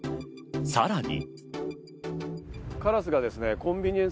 さらに。